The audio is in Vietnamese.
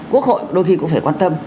quốc hội đôi khi cũng phải quan tâm